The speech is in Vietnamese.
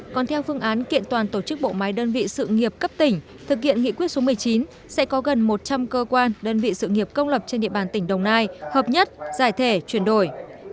còn theo phương án kiện toàn tổ chức bộ máy đơn vị sự nghiệp cấp tỉnh thực hiện nghị quyết số một mươi chín sẽ có gần một trăm linh cơ quan đơn vị sự nghiệp công lập trên địa bàn tỉnh đồng nai hợp nhất giải thể chuyển đổi